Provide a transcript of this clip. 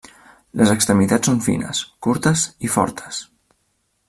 Les extremitats són fines, curtes i fortes.